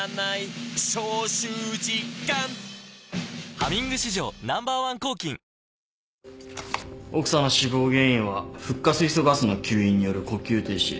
「ハミング」史上Ｎｏ．１抗菌奥さんの死亡原因はフッ化水素ガスの吸引による呼吸停止。